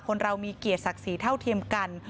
เรามีเกียรติศักดิ์ศรีเท่าเทียมกัน